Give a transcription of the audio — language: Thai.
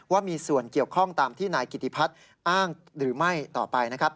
ว่ามีส่วนเกี่ยวข้องตามที่นายกิติพัฒน์อ้างหรือไม่ต่อไปนะครับ